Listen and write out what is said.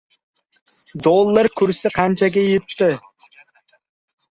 Virus faqat birinchi kurs talabasiga yuqadimi?